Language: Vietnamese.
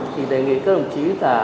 thì đề nghị các đồng chí là